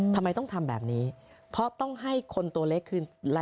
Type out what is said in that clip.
ทำไมต้องทำแบบนี้เพราะต้องให้คนตัวเล็กขึ้น